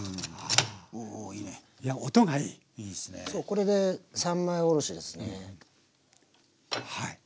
これで三枚おろしですね。